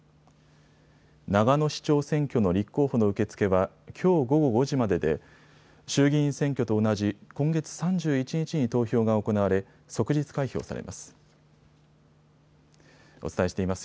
長野市長選挙の立候補の受け付けはきょう午後５時までで衆議院選挙と同じ、今月３１日に投票が行われ即日開票されます。